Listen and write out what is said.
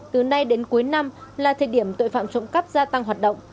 từ nay đến cuối năm là thời điểm tội phạm trộm cắp gia tăng hoạt động